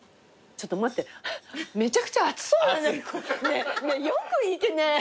ちょっと待ってめちゃくちゃ熱そうだね。